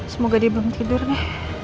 semoga dia belum tidurnya